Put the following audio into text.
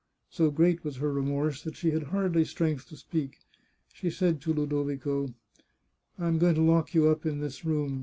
So great was her remorse that she had hardly strength to speak. She said to Ludovico :" I am going to lock you up in this room.